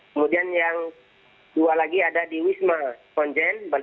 kemudian yang dua lagi ada di wisma konjen